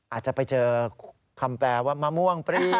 อาจจะเจอความแปลว่ะมะม่วงเปรี้ยว